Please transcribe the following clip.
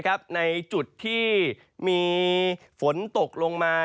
ทั้งเรื่องของฝน